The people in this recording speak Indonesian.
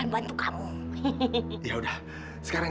pasti kamu seneng